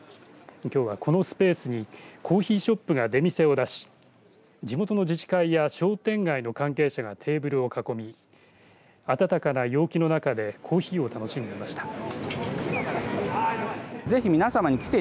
きょうはこのスペースにコーヒーショップが出店を出し地元の自治会や商店街の関係者がテーブルを囲み暖かな陽気の中でコーヒーを楽しんでいました。